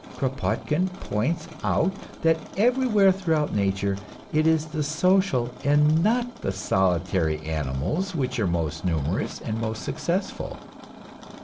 Kropotkin points out that everywhere throughout nature it is the social and not the solitary animals which are most numerous and most successful.